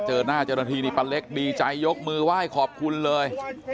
เจอหน้าเจ้าหน้าที่นี่ป้าเล็กดีใจยกมือไหว้ขอบคุณเลย